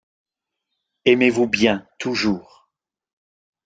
Aimez-vous bien toujours.